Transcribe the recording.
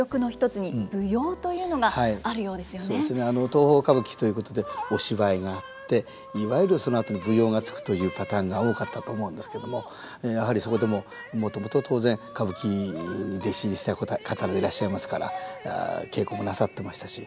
東宝歌舞伎ということでお芝居があっていわゆるそのあとに舞踊がつくというパターンが多かったと思うんですけどもやはりそこでももともと当然歌舞伎に弟子入りした方でいらっしゃいますから稽古もなさってましたし。